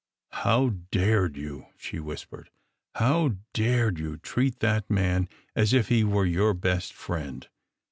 "How dared you!" she whispered. "How dared you treat that man as if he were your best friend